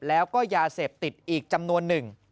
และก็ยาเสพติดอีกจำนวณ๑